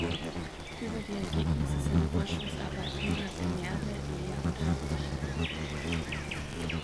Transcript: Über die Ergebnisse seiner Forschungsarbeiten hat er mehrere Lehr- und Handbücher veröffentlicht.